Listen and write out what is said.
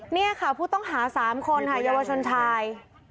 นี่ค่ะผู้ต้องหา๓คนค่ะเยาวชนชาย